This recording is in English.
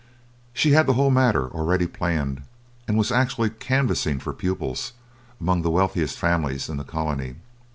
She had the whole matter already planned, and was actually canvassing for pupils among the wealthiest families in the colony.